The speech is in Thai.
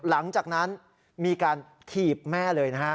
หลังจากนั้นมีการถีบแม่เลยนะฮะ